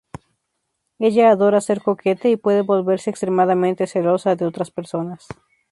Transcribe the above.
Ella adora ser coqueta y puede volverse extremadamente celosa de otras personas.